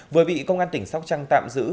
vừa bị công an tỉnh sóc trăng tạm giữ